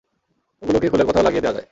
ওগুলোকে খুলে কোথাও লাগিয়ে দেয়া যায়!